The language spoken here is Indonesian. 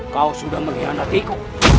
kau sudah melihat hatiku